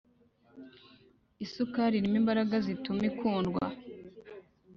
Isukari irimo imbaraga zituma ikundwa